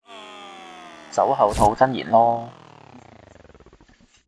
酒後吐真言囉